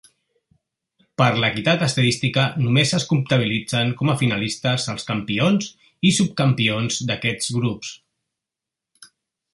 Per l'equitat estadística, només es comptabilitzen com a finalistes els campions i subcampions d'aquests grups.